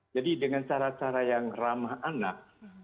jadi dengan cara cara yang ramah anak